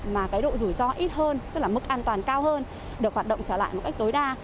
mà cái độ rủi ro ít hơn tức là mức an toàn cao hơn được hoạt động trở lại một cách tối đa